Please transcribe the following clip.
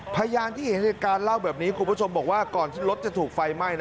พยานที่เห็นเหตุการณ์เล่าแบบนี้คุณผู้ชมบอกว่าก่อนที่รถจะถูกไฟไหม้นะ